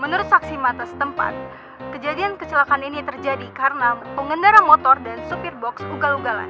menurut saksi mata setempat kejadian kecelakaan ini terjadi karena pengendara motor dan supir box ugal ugalan